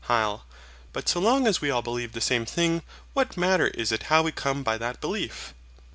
HYL. But, so long as we all believe the same thing, what matter is it how we come by that belief?